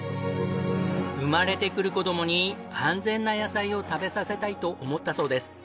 生まれてくる子供に安全な野菜を食べさせたいと思ったそうです。